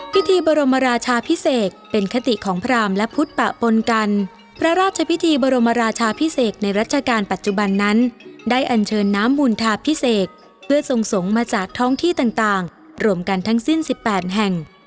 พิธีบรมราชาพิเศษเป็นคติของพรามและพุทธปะปนกันพระราชพิธีบรมราชาพิเศษในรัชกาลปัจจุบันนั้นได้อันเชิญน้ำบุญธาพิเศษเพื่อทรงสงฆ์มาจากท้องที่ต่างรวมกันทั้งสิ้น๑๘แห่ง